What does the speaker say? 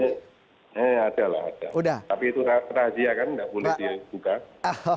iya ada lah tapi itu rahasia kan nggak boleh dibuka